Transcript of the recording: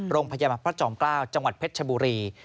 โรงพยาบาลพระจอมเกล้าจังหวัดเพชรชบุรี